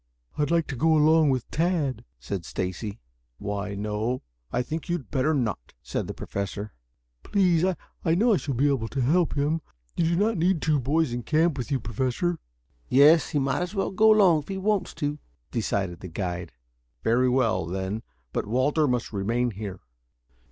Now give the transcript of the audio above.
"I'd like to go along with Tad," said Stacy. "Why no, I think you'd better not," said the Professor. "Please. I know I shall be able to help him. You do not need two boys in camp with you, Professor." "Yes; he might as well go along, if he wants to," decided the guide. "Very well, then. But Walter must remain here."